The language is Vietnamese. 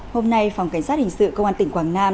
hôm nay phòng cảnh sát hình sự công an tỉnh quảng nam